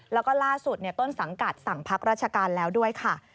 แล้วก็ล่าสุดต้นสังกัดสั่งพักราชการแล้วด้วยค่ะ